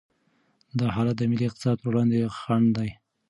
دا حالت د ملي اقتصاد پر وړاندې خنډ دی.